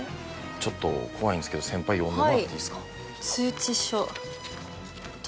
ちょっと怖いんですけど先輩読んでもらっていいですか？